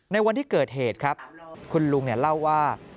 วันที่เกิดเหตุครับคุณลุงเล่าว่า